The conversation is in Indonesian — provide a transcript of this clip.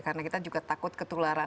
karena kita juga takut ketularan